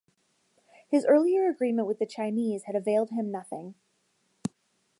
His earlier agreement with the Chinese had availed him nothing.